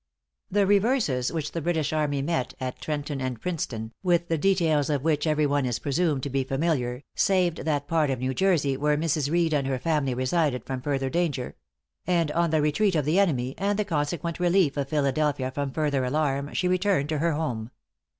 The reverses which the British army met at Trenton and Princeton, with the details of which every one is presumed to be familiar, saved that part of New Jersey where Mrs. Reed and her family resided, from further danger; and on the retreat of the enemy, and the consequent relief of Philadelphia from further alarm, she returned to her home.